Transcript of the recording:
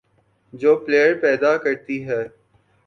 جو پلئیر پیدا کرتی ہے،